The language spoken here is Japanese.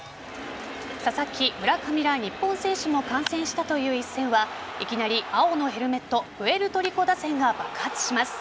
佐々木、村上ら日本選手も観戦したという一戦はいきなり青のヘルメットプエルトリコ打線が爆発します。